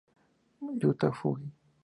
Yuta Fujii